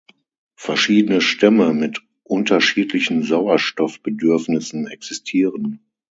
Verschiedene Stämme mit unterschiedlichen Sauerstoffbedürfnissen existieren.